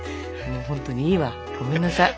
もう本当にいいわごめんなさい。